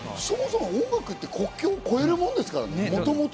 そもそも音楽って国境を越えるもんですもんね。